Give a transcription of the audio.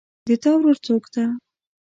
د تا ورور څوک ده